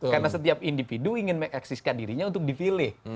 karena setiap individu ingin me axiskan dirinya untuk dipilih